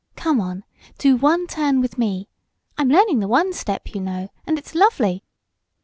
Come on, do one turn with me. I'm learning the one step, you know, and it's lovely!